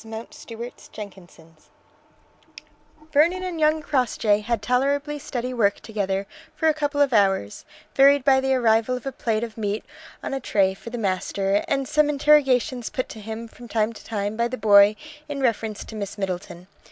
MOUNTSTUART JENKINSON'S Vernon and young Crossjay had tolerably steady work together for a couple of hours, varied by the arrival of a plate of meat on a tray for the master, and some interrogations put to him from time to time by the boy in reference to Miss Middleton.